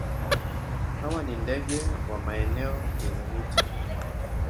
Hawa ni ndege wa maeneo yenye miti.